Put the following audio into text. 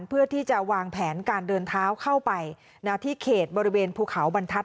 เพื่อที่จะวางแผนการเดินเท้าเข้าไปที่เขตบริเวณภูเขาบรรทัศน